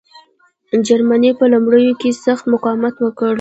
جرمني په لومړیو کې سخت مقاومت وکړ.